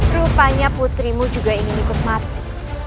rupanya putrimu juga ingin ikut mati